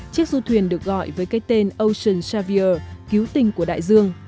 chiếc du thuyền được gọi với cái tên ocean xavier cứu tình của đại dương